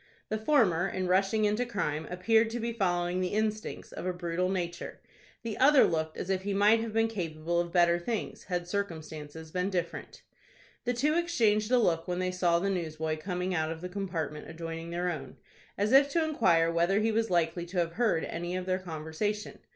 The former, in rushing into crime, appeared to be following the instincts of a brutal nature. The other looked as if he might have been capable of better things, had circumstances been different. The two exchanged a look when they saw the newsboy coming out of the compartment adjoining their own, as if to inquire whether he was likely to have heard any of their conversation.